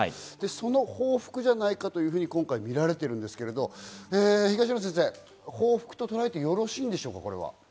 その報復じゃないかというふうに見られているんですが、東野先生、報復ととらえてよろしいんでしょうか？